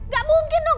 gak mungkin dong